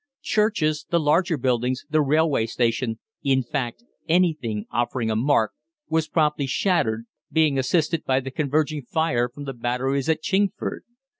Churches, the larger buildings, the railway station, in fact, anything offering a mark, was promptly shattered, being assisted by the converging fire from the batteries at Chingford.